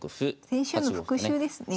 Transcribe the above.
先週の復習ですね。